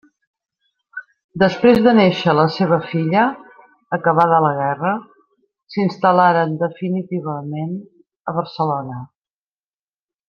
Després de néixer la seva filla, acabada la guerra, s'instal·laren definitivament a Barcelona.